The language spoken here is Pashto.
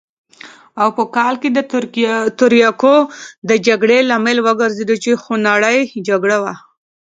او په کال کې د تریاکو د جګړې لامل وګرځېد چې خونړۍ جګړه وه.